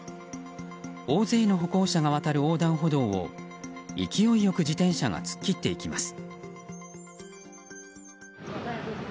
大勢の歩行者が渡る横断歩道を勢いよく自転車が突っ切っていきます。